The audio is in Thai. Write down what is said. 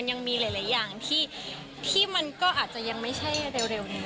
ยังมีหลายอย่างที่มันก็อาจจะยังไม่ใช่เร็วนี้